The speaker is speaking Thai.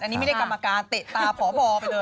อันนี้ไม่ได้กรรมการเตะตาพบไปเลย